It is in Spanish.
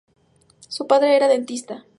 Su padre era dentista.